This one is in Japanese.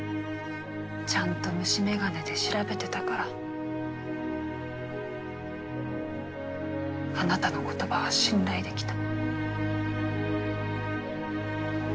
ちゃんと虫眼鏡で調べてたからあなたの言葉は信頼できた。